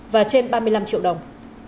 và trên ba mươi năm triệu đồng